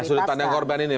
nah sudah tanda korban ini